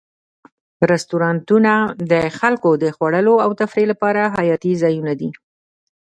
رستورانتونه د خلکو د خوړلو او تفریح لپاره حیاتي ځایونه دي.